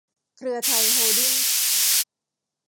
เครือไทย โฮลดิ้งส์